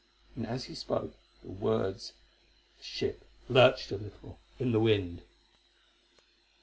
And as he spoke the words the ship lurched a little in the wind.